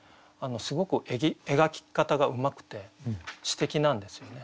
すごく描き方がうまくて詩的なんですよね。